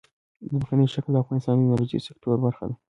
ځمکنی شکل د افغانستان د انرژۍ سکتور برخه ده.